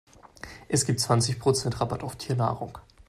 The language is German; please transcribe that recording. Es gibt zwanzig Prozent Rabatt auf Tiernahrung.